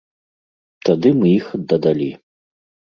Тады мы іх дадалі.